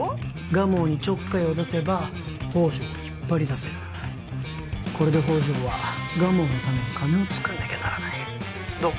蒲生にちょっかいを出せば宝条を引っ張り出せるこれで宝条は蒲生のために金を☎つくんなきゃならないどう？